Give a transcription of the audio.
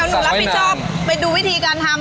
อ่าสวยน้ำงั้นเดี๋ยวหนูรับพี่ชอบไปดูวิธีการทำเนอะ